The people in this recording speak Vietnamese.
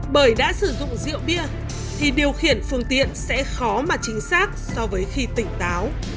bởi đã sử dụng rượu bia thì điều khiển phương tiện sẽ khó mà chính xác so với khi tỉnh táo